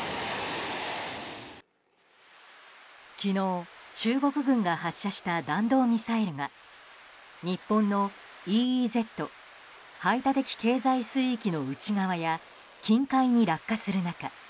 昨日、中国軍が発射した弾道ミサイルが日本のＥＥＺ・排他的経済水域の内側や近海に落下する中